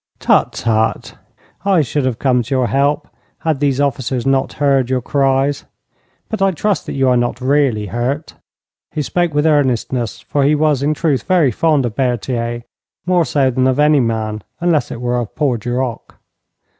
'Tut, tut! I should have come to your help had these officers not heard your cries. But I trust that you are not really hurt!' He spoke with earnestness, for he was in truth very fond of Berthier more so than of any man, unless it were of poor Duroc.